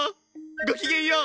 ごきげんよう！